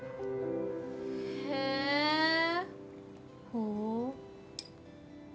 へえほう。